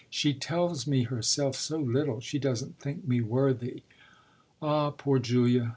She tells me herself so little. She doesn't think me worthy." "Ah poor Julia!"